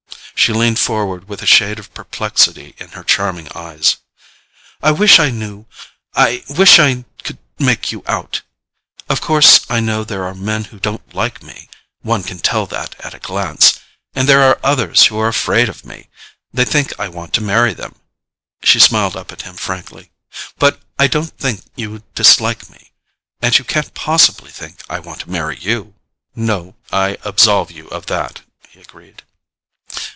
She leaned forward with a shade of perplexity in her charming eyes. "I wish I knew—I wish I could make you out. Of course I know there are men who don't like me—one can tell that at a glance. And there are others who are afraid of me: they think I want to marry them." She smiled up at him frankly. "But I don't think you dislike me—and you can't possibly think I want to marry you." "No—I absolve you of that," he agreed.